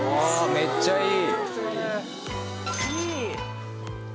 めっちゃいい。